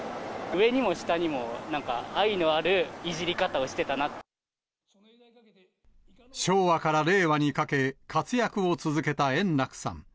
上にも下にもなんか、昭和から令和にかけ、活躍を続けた円楽さん。